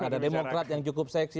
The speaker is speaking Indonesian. ada demokrat yang cukup seksi